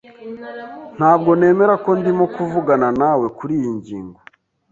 Ntabwo nemera ko ndimo kuvugana nawe kuriyi ngingo.